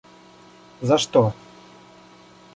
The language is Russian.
За что?